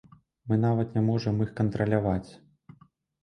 Мы нават не можам іх кантраляваць.